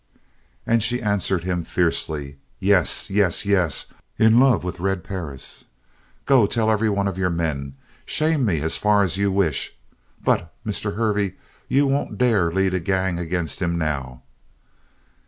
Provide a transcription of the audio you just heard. And she answered him fiercely: "Yes, yes, yes! In love with Red Perris! Go tell every one of your men. Shame me as far as you wish! But Mr. Hervey, you won't dare lead a gang against him now!"